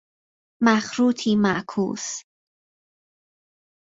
مخروطی معکوس